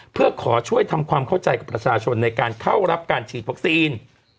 เพื่อขอช่วยทำความเข้าใจกับประชาชนในการเข้ารับการฉีดวัคซีน